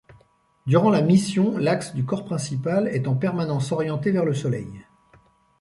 Durant la mission l'axe du corps principal est en permanence orienté vers le Soleil.